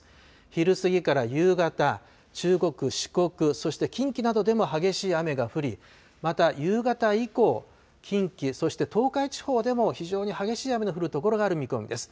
昼過ぎから夕方、中国、四国、そして近畿などでも激しい雨が降り、また、夕方以降、近畿、そして東海地方でも非常に激しい雨の降る所がある見込みです。